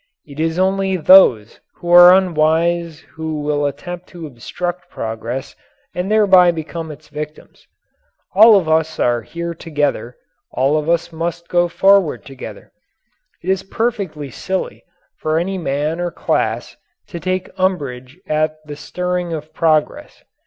It is only those who are unwise who will attempt to obstruct progress and thereby become its victims. All of us are here together, all of us must go forward together; it is perfectly silly for any man or class to take umbrage at the stirring of progress.